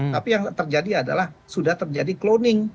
tapi yang terjadi adalah sudah terjadi cloning